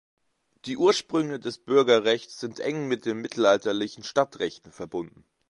Die Ursprünge des Bürgerrechts sind eng mit den mittelalterlichen Stadtrechten verbunden.